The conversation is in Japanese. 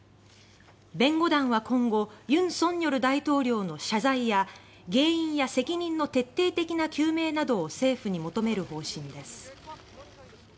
弁護団は今後尹錫悦大統領の謝罪や原因や責任の徹底的な究明などを政府に求める方針です。